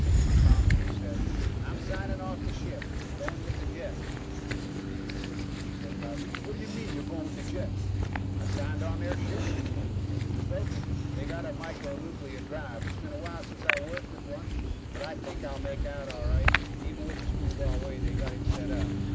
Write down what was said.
He found me and said: "I'm signing off the ship. Going with the Jeks." MacReidie was with me. He said loudly: "What do you mean, you're going with the Jeks?" "I signed on their ship," the stoker said. "Stoking. They've got a micro nuclear drive. It's been a while since I worked with one, but I think I'll make out all right, even with the screwball way they've got it set up."